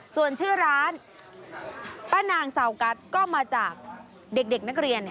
ส่วนชื่อร้านป้านางเสากัสก็มาจากเด็กนักเรียน